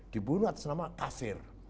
dibunuh atas nama kafir